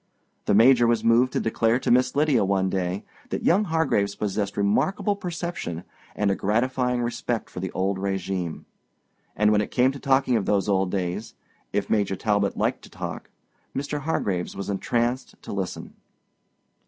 The Major was moved to declare to Miss Lydia one day that young Hargraves possessed remarkable perception and a gratifying respect for the old régime. And when it came to talking of those old days—if Major Talbot liked to talk, Mr. Hargraves was entranced to listen.